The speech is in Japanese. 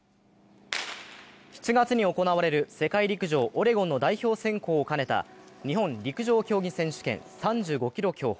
７月に行われる世界陸上オレゴンの代表選考を兼ねた日本陸上競技選手権、３５ｋｍ競歩。